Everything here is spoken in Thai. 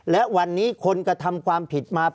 ภารกิจสรรค์ภารกิจสรรค์